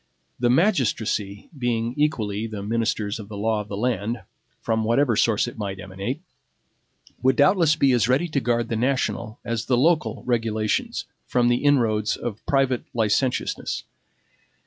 The magistracy, being equally the ministers of the law of the land, from whatever source it might emanate, would doubtless be as ready to guard the national as the local regulations from the inroads of private licentiousness.